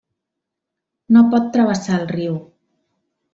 No pot travessar el riu.